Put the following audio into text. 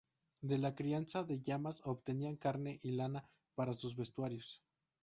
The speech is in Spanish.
De la crianza de llamas obtenían carne y lana para sus vestuarios.